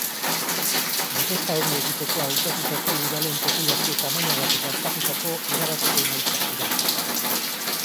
Inkesta hori egiteko hautatutako udalen populazio-tamainagatik haztatutako erabateko emaitzak dira.